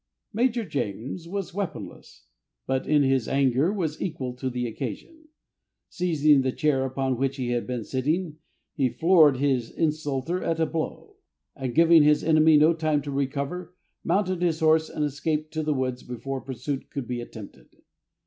Major James was weaponless, but in his anger was equal to the occasion. Seizing the chair upon which he had been sitting, he floored his insulter at a blow, and giving his enemy no time to recover, mounted his horse and escaped to the woods before pursuit could be attempted.